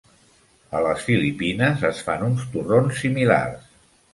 A les Filipines es fan uns torrons similars.